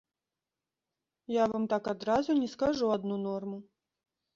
Я вам так адразу не скажу адну норму.